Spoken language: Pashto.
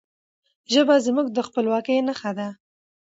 ژبه زموږ د خپلواکی نښه ده.